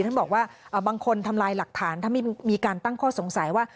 ท่านบอกว่าบางคนทำลายหลักฐานถ้าไม่มีการตั้งข้อสงสัยว่า